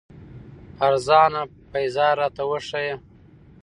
ارزان پېزار راته وښايه